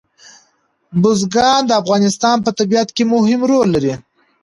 بزګان د افغانستان په طبیعت کې مهم رول لري.